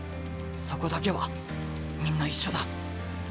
そこだけはみんな一緒だ。